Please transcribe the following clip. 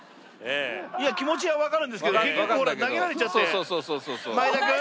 いや気持ちはわかるんですけど結局ほら投げられちゃって真栄田君？